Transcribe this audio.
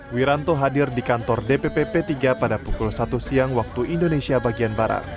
wiranto hadir di kantor dpp p tiga pada pukul satu siang waktu indonesia bagian barat